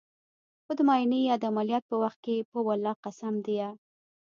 خو د معاينې يا د عمليات په وخت په ولله قسم ديه.